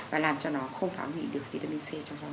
và làm cho nó không phá hủy được vitamin c trong rau nữa